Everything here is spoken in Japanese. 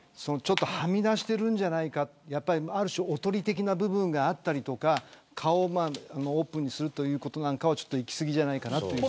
はみ出してるんじゃないかある種おとり的な部分があったり顔をオープンにすることなんかはいき過ぎじゃないかと。